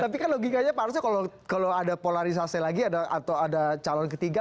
tapi kan logikanya pak arsul kalau ada polarisasi lagi atau ada calon ketiga